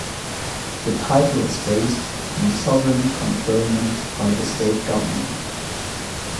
The title is based on sovereign conferment by the state government.